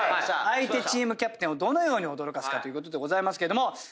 相手チームキャプテンをどのように驚かすかということですけども。